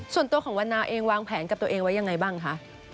ส่วนตัวของวันนาเองวางแผนกับตัวเองไว้ยังไงบ้างคะ